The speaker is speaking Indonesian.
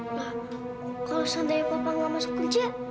mbak kalau seandainya papa nggak masuk kerja